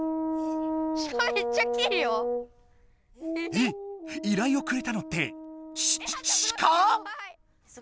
えっ依頼をくれたのってし鹿⁉